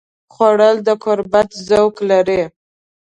خوړل د قربت ذوق لري